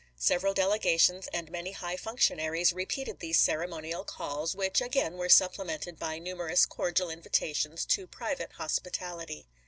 Several delegations and many high functionaries repeated these ceremonial calls, which again were supplemented by numerous cordial invitations to private hospitality.